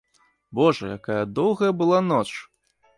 Божа, якая доўгая была ноч!